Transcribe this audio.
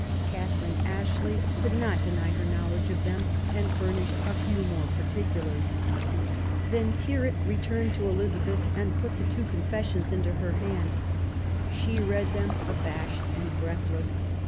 Catherine Ashley could not deny her knowledge of them, and furnished a few more particulars. Then Tyrwhit returned to Eliza beth and put the two confessions into her hand. She read them abashed and breathless.